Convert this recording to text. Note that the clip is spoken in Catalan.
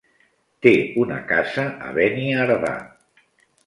Té una casa a Beniardà.